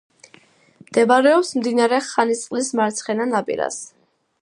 მდებარეობს მდინარე ხანისწყლის მარცხენა ნაპირას.